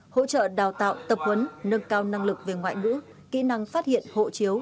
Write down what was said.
hỗ trợ đào tạo tập huấn nâng cao năng lực về ngoại ngữ kỹ năng phát hiện hộ chiếu